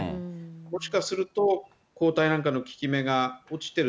もしかすると、抗体なんかの効き目が落ちてる、